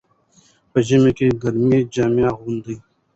په ژمي کې ګرمې جامې اغوندئ.